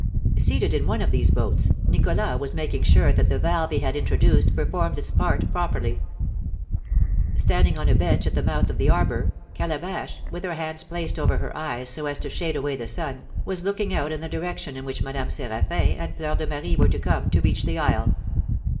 Seated in one of these boats, Nicholas was making sure that the valve he had introduced performed its part properly. Standing on a bench at the mouth of the arbour, Calabash, with her hands placed over her eyes so as to shade away the sun, was looking out in the direction in which Madame Séraphin and Fleur de Marie were to come to reach the isle.